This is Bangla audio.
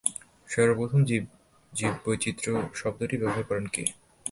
সর্বপ্রথম জীববৈচিত্র্য শব্দটি ব্যবহার করেন কে?